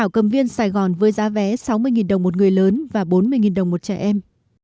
cầm viên sài gòn với giá vé sáu mươi đồng một người lớn và bốn mươi đồng một trẻ em